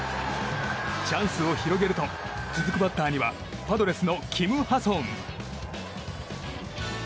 チャンスを広げると続くバッターにはパドレスのキム・ハソン。